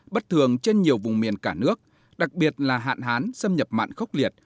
bất thường trên nhiều vùng miền cả nước đặc biệt là hạn hán xâm nhập mạn khốc liệt